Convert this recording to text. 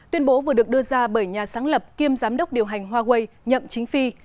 tuyên bố vừa được đưa ra bởi nhà sáng lập kiêm giám đốc điều hành huawei nhậm chính phi